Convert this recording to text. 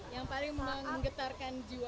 yang paling menggetarkan jiwa